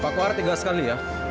pak khoar tinggal sekali ya